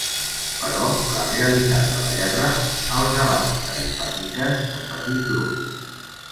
Però la realitat de la guerra els abasta i fa miques el petit grup.